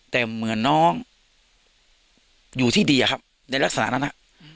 แต่เหมือนน้องอยู่ที่ดีอะครับในลักษณะนั้น